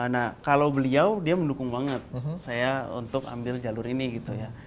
nah kalau beliau dia mendukung banget saya untuk ambil jalur ini gitu ya